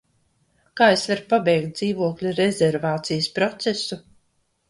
Kā es varu pabeigt dzīvokļa rezervācijas procesu?